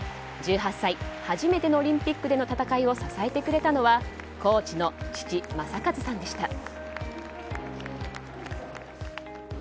１８歳初めてのオリンピックでの戦いを支えてくれたのはコーチの父・正和さんでした。